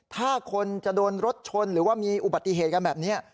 ถ้าคนจะโดนรถชนหรือว่ามีอุบัติเหตุกันแบบนี้